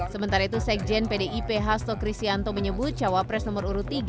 sementara itu sekjen pdip hasto krisianto menyebut jawab res nomor urut tiga